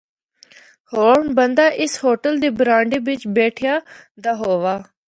ہور بندہ اس ہوٹل دے برانڈے بچ بیٹھ یا دا ہوا۔